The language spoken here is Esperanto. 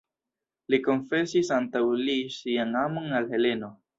Li konfesis antaŭ li sian amon al Heleno.